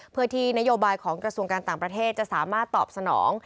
เพื่อที่นโยบายของกระทรวงการต่างประเทศจะสามารถตอบสนอง